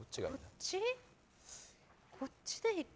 こっち？